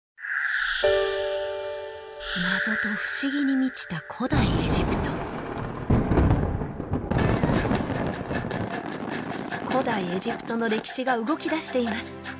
謎と不思議に満ちた古代エジプト古代エジプトの歴史が動きだしています